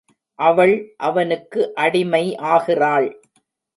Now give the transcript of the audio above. அவள் அவனுக்கு அடிமை ஆகிறாள்.